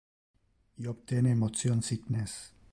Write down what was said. Io obtene motion sickness.